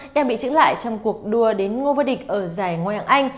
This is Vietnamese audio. đang bị trứng lại trong cuộc đua đến ngô vô địch ở giải ngoài hạng anh